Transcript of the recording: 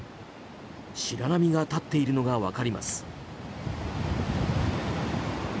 白波が立っているのが分かります。